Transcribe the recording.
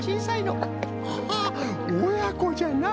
ハハおやこじゃな。